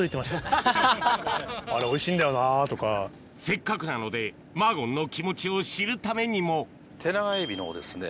せっかくなのでマーゴンの気持ちを知るためにもテナガエビのですね。